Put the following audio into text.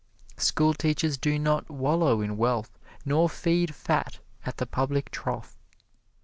Schoolteachers do not wallow in wealth nor feed fat at the public trough.